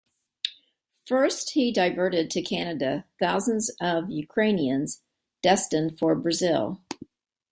First, he diverted to Canada thousands of Ukrainians destined for Brazil.